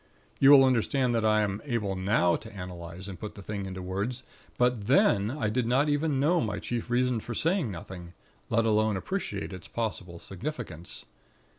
You will understand that I am able now to analyze and put the thing into words; but then I did not even know my chief reason for saying nothing; let alone appreciate its possible significance.